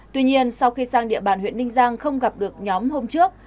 tuy nhiên sau khi sang địa bàn huyện ninh giang không gặp được nhóm hôm trước